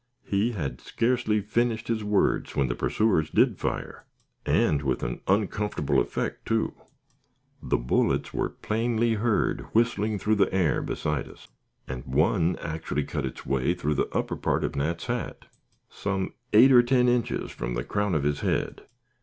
He had scarcely finished his words, when the pursuers did fire, and with an uncomfortable effect, too. The bullets were plainly heard whistling through the air beside us, and one actually cut its way through the upper part of Nat's hat, some eight or ten inches from the crown of his head.